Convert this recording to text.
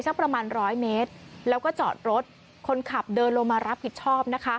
สักประมาณร้อยเมตรแล้วก็จอดรถคนขับเดินลงมารับผิดชอบนะคะ